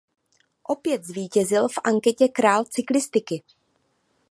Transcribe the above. Opět zvítězil v anketě Král cyklistiky.